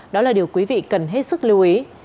đó là điều quý vị cần hết sức lưu ý